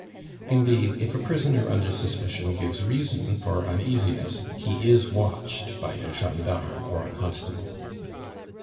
Indeed, if a prisoner under suspicion gives reason for uneasiness, he is watched by a gendarme or a constable.